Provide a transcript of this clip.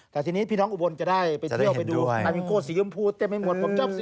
แต่ทีนี้พี่น้องอุบลจะได้ไปเที่ยวไปดูอามิงโก้สียมพูเต็มไปหมด